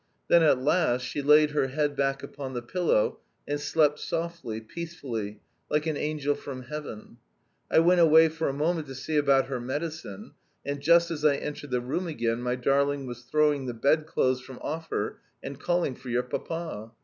Then at last she laid her head back upon the pillow, and slept softly, peacefully, like an angel from Heaven. I went away for a moment to see about her medicine, and just as I entered the room again my darling was throwing the bedclothes from off her and calling for your Papa.